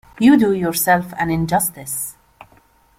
You do yourself an injustice.